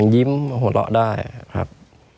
ยิ้มหัวเราะได้ครับ